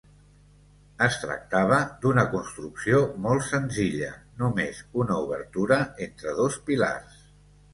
Es tractava d'una construcció molt senzilla, només una obertura entre dos pilars.